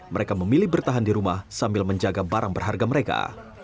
mereka memilih bertahan di rumah sambil menjaga barang berharga mereka